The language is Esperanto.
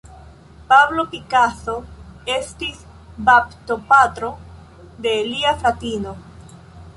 Pablo Picasso estis baptopatro de lia fratino.